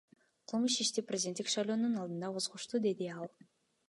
Кылмыш ишти президенттик шайлоонун алдында козгошту, — деди ал.